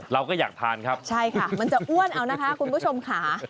เราก็อยากทานครับใช่ค่ะมันจะอ้วนเอานะคะคุณผู้ชมค่ะ